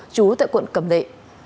trú tại quận cẩm lệ